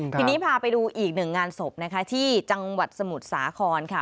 ทีนี้พาไปดูอีกหนึ่งงานศพนะคะที่จังหวัดสมุทรสาครค่ะ